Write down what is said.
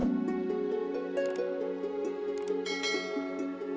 akan akhirnya mereka lukaaamu